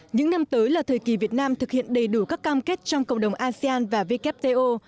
những năm tới là thời kỳ việt nam thực hiện đầy đủ các cam kết trong cộng đồng asean và wto